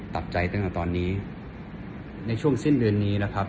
ตัดใจตั้งแต่ตอนนี้ในช่วงสิ้นเดือนนี้นะครับ